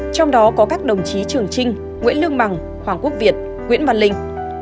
trong đó có các đồng chí trường trinh nguyễn lương bằng hoàng quốc việt nguyễn văn linh